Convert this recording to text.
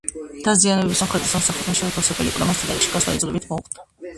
დაზიანებები სამხედრო სამსახურთან შეუთავსებელი იყო და მას თადარიგში გასვლა იძულებით მოუხდა.